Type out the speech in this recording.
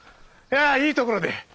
いやあいいところで。